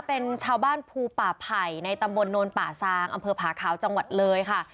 เป็นชาวบ้านภูป่าไผ่ในตำบลโนนป่าซางอำเภอผาขาวจังหวัดเลยค่ะ